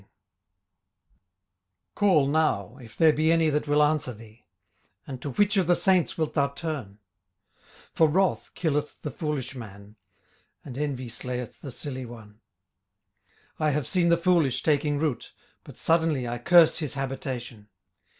18:005:001 Call now, if there be any that will answer thee; and to which of the saints wilt thou turn? 18:005:002 For wrath killeth the foolish man, and envy slayeth the silly one. 18:005:003 I have seen the foolish taking root: but suddenly I cursed his habitation.